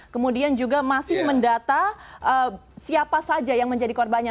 kemudian juga masih mendata siapa saja yang menjadi korbannya